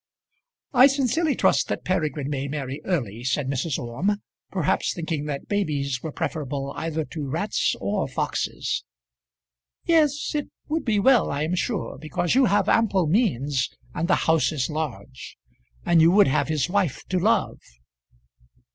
"I sincerely trust that Peregrine may marry early," said Mrs. Orme, perhaps thinking that babies were preferable either to rats or foxes. "Yes, it would be well I am sure, because you have ample means, and the house is large; and you would have his wife to love."